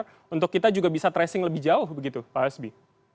tapi pcr untuk kita juga bisa tracing lebih jauh begitu pak asbi